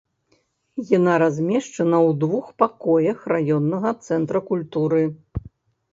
Яна размешчана ў двух пакоях раённага цэнтра культуры.